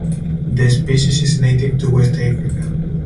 The species is native to West Africa.